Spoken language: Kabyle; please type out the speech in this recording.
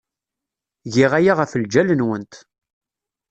Giɣ aya ɣef lǧal-nwent.